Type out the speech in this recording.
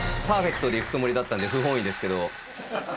パーフェクトでいくつもりだったんで、不本意ですけど。